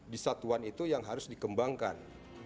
di satuan itu yang harus dikembangkan